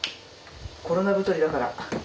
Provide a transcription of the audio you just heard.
コロナ太りだから。